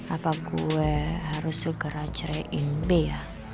apa gue harus segera cerein be ya